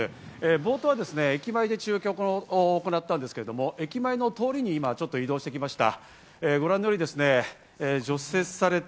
冒頭は駅前で中継を行ったんですけれども、駅前の通りに今、移動してきました。